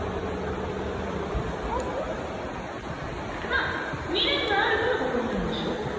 まっ未練があるからここにいるんでしょ